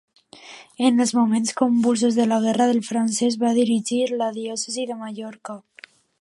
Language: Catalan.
En els moments convulsos de la Guerra del Francès, va dirigir la Diòcesi de Mallorca.